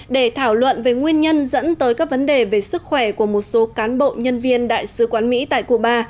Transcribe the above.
để thảo luận về nguyên nhân dẫn tới các vấn đề về sức khỏe của một số cán bộ nhân viên đại sứ quán mỹ tại cuba